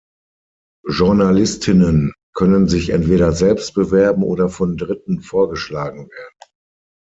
Journalistinnen können sich entweder selbst bewerben oder von Dritten vorgeschlagen werden.